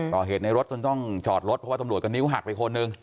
ก่อเหตุในรถจนต้องจอดรถเพราะว่าตำรวจก็นิ้วหักไปคนหนึ่ง